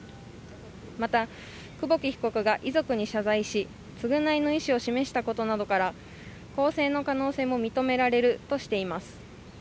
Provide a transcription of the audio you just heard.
また、久保木被告が遺族に謝罪し償いの意思を示したことなどから、更生の可能性も認められるとしています。